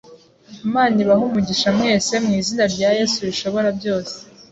Imana ibahe umugisha mwese mu izina rya Yesu rishobora byose.